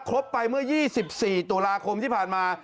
ไปเมื่อ๒๔ตุลาคมที่ผ่านมา